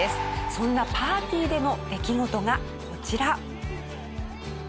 そんなパーティーでの出来事がこちら。